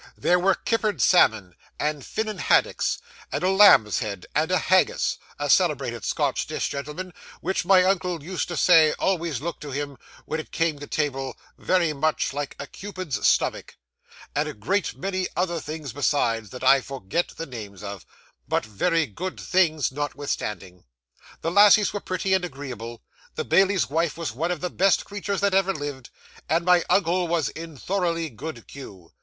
There was kippered salmon, and Finnan haddocks, and a lamb's head, and a haggis a celebrated Scotch dish, gentlemen, which my uncle used to say always looked to him, when it came to table, very much like a Cupid's stomach and a great many other things besides, that I forget the names of, but very good things, notwithstanding. The lassies were pretty and agreeable; the bailie's wife was one of the best creatures that ever lived; and my uncle was in thoroughly good cue.